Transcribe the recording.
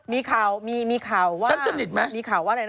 มีข่าวว่า